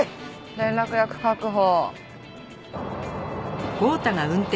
連絡役確保。